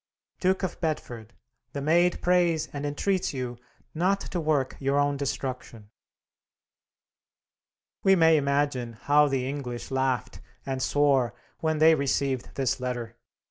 "Duke of Bedford, the Maid prays and entreats you not to work your own destruction!" We may imagine how the English laughed and swore when they received this letter.